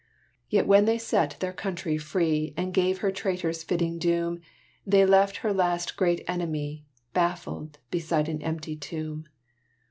Yet when they set their country free And gave her traitors fitting doom, They left their last great enemy, Baffled, beside an empty tomb.